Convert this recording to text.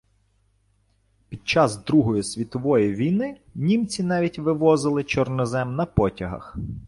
Під час Другої Світової війни, німці навіть вивозили чорнозем на потягах